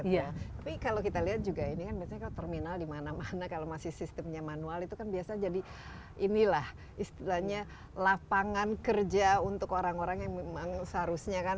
iya tapi kalau kita lihat juga ini kan biasanya kan terminal di mana mana kalau masih sistemnya manual itu kan biasanya jadi inilah istilahnya lapangan kerja untuk orang orang yang memang seharusnya kan